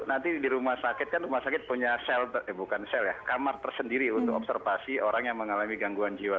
nanti di rumah sakit kan rumah sakit punya kamar tersendiri untuk observasi orang yang mengalami gangguan jiwa